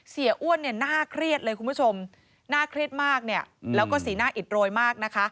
เสียอ้วนน่าเครียดเลยคุณผู้ชมน่าเครียดมากแล้วก็สีหน้าอิดโรยมากนะคะ